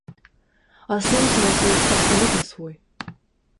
А сэнс у нас ёсць абсалютна свой.